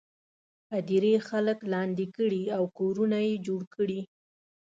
هدیرې خلکو لاندې کړي او کورونه یې جوړ کړي.